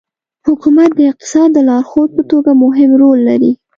حکومت د اقتصاد د لارښود په توګه مهم رول لري.